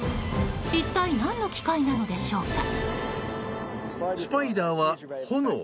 一体何の機械なのでしょうか。